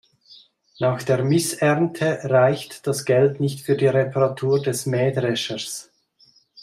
Nach der Missernte reicht das Geld nicht für die Reparatur des Mähdreschers.